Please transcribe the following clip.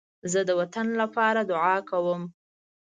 زه د وطن لپاره دعا کوم